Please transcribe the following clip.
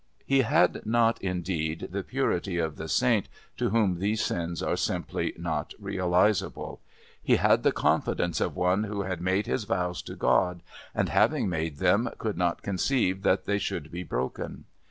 He had not indeed the purity of the Saint to whom these sins are simply not realisable; he had the confidence of one who had made his vows to God and, having made them, could not conceive that they should be broken.